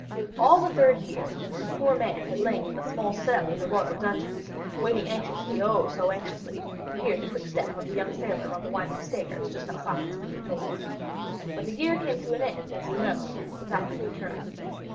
All the third year the poor man had lain in a small cell in the royal dungeons, waiting anxiously, oh, so anxiously, to hear the quick step of the sailor son on the winding stairs just outside his prison door. But the year came to an end, as you know, without his return.